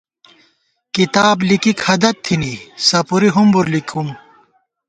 کِتاب لِکِک ہَدَت تھنی ، سپُوری ہُمبر لِکُم